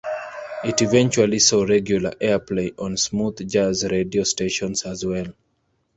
It eventually saw regular airplay on Smooth Jazz radio stations as well.